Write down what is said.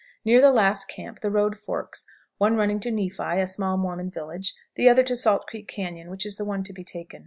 Near the last camp the road forks, one running to Nephi, a small Mormon village, the other to Salt Creek Cañon, which is the one to be taken.